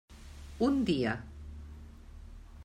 Un dia.